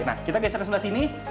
nah kita geser ke sebelah sini